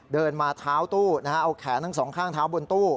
เดินมาเท้าตู้เอาแขนทั้งสองข้างเท้าบนตู้